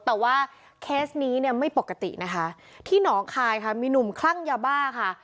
แต่ว่าเคสนี้เนี่ยไม่ปกตินะคะที่หนองคายค่ะมีหนุ่มคลั่งยาบ้าค่ะ